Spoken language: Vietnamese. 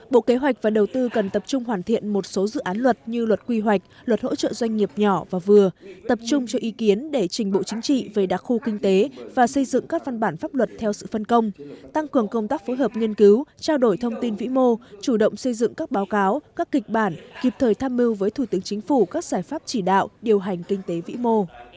bộ kế hoạch và đầu tư cần tập trung hoàn thiện một số dự án luật như luật quy hoạch luật hỗ trợ doanh nghiệp nhỏ và vừa tập trung cho ý kiến để trình bộ chính trị về đặc khu kinh tế và xây dựng các văn bản pháp luật theo sự phân công tăng cường công tác phối hợp nghiên cứu trao đổi thông tin vĩ mô chủ động xây dựng các báo cáo các kịch bản kịp thời tham mưu với thủ tướng chính phủ các giải pháp chỉ đạo điều hành kinh tế vĩ mô